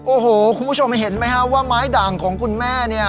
โอ้โหคุณผู้ชมเห็นไหมฮะว่าไม้ด่างของคุณแม่เนี่ย